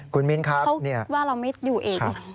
คุณมิ้นท์ครับเนี่ยครับเขาว่าเราไม่อยู่เอง